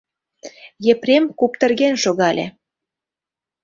Епрем куптырген шогале.